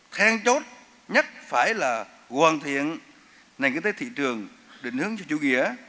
thang chốt nhất phải là hoàn thiện nền kinh tế thị trường định hướng cho chủ nghĩa